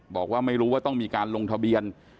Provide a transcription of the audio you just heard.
บอกว่าไม่รู้ว่าต้องมีการลงทะเบียน